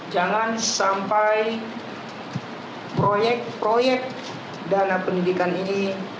jangan sampai proyek proyek dana pendidikan ini